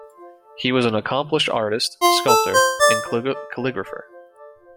He was an accomplished artist, sculptor, and calligrapher.